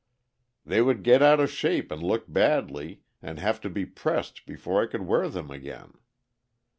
"They would get out of shape and look badly, and have to be pressed before I could wear them again."